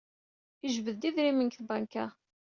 Yejbed-d idrimen seg tbanka.